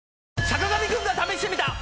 『坂上くんが試してみた！！』。